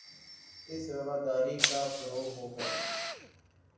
اب رواداری کا فروغ ہو گا